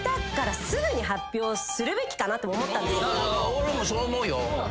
俺もそう思うよ。